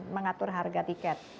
mengatur harga tiket